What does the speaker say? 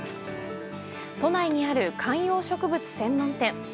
都内にある観葉植物専門店。